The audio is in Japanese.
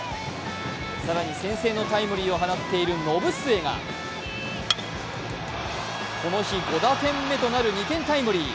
更に先制のタイムリーを放っている延末がこの日、５打点目となる２点タイムリー。